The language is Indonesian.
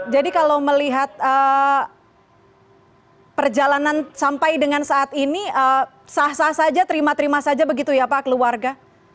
jadi kalau melihat perjalanan sampai dengan saat ini sah sah saja terima terima saja begitu ya pak keluarga